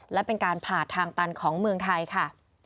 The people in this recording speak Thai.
และเป็นการผ่าทางตันของเมืองไทยค่ะ